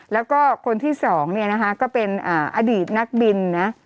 แล้วก็คนที่สองก็เป็นอดีตนักบิน